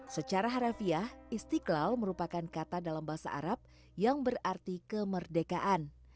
secara harafiah istiqlal merupakan kata dalam bahasa arab yang berarti kemerdekaan